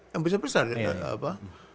yang besar besar ya